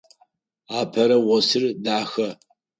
Апэрэ осыр дахэ.